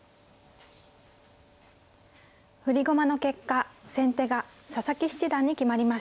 振り駒の結果先手が佐々木七段に決まりました。